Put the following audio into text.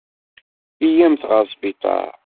Yya-mt ɣer sbiṭar.